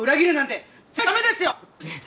えっ？